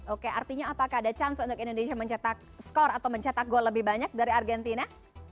oke artinya apakah ada chance untuk indonesia mencetak skor atau mencetak gol lebih banyak dari argentina